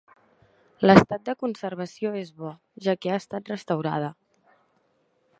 L'estat de conservació és bo, ja que ha estat restaurada.